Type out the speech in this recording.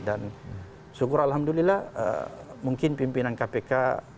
dan syukur alhamdulillah mungkin pimpinan kpk